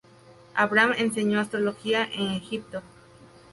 Abraham enseñó astrología en Egipto.